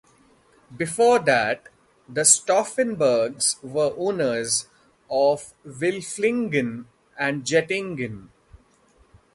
Before that, the Stauffenbergs were owners of Wilflingen and Jettingen.